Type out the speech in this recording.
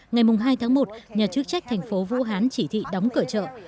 ngày hai tháng một nhà chức trách thành phố vũ hán chỉ thị đóng cửa chợ